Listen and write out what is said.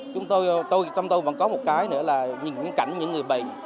trong tôi vẫn có một cái nữa là những cảnh những người bậy